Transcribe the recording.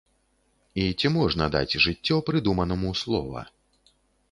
І ці можна даць жыццё прыдуманаму слова?